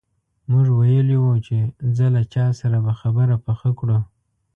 موږ ویلي وو چې ځه له چا سره به خبره پخه کړو.